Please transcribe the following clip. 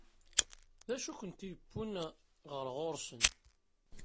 D acu i kent-yewwin ɣer ɣur-sen?